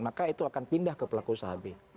maka itu akan pindah ke pelaku usaha b